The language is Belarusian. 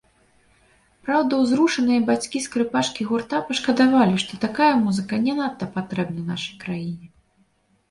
Праўда, узрушаныя бацькі скрыпачкі гурта пашкадавалі, што такая музыка не надта патрэбная нашай краіне.